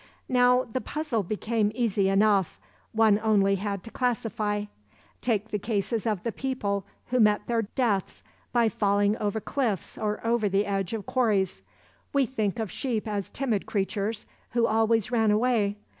"Now, the puzzle became easy enough; one had only to classify. Take the cases of the people who met their deaths by falling over cliffs or over the edge of quarries. We think of sheep as timid creatures, who always ran away.